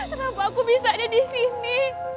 kenapa aku bisa ada disini